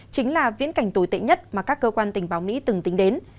chính là viễn cảnh tồi tệ nhất mà các cơ quan tình báo mỹ từng tính đến